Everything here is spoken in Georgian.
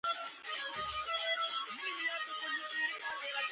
მოძღვრის კურთხევით, სამშობლოში წავიდა და თურქების წინაშე თავი ქრისტიანად გამოაცხადა.